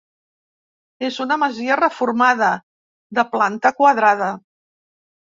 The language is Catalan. És una masia reformada de planta quadrada.